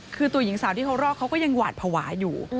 คือตัวหญิงสาวที่เขารอดเขาก็ยังหวาดภาวะอยู่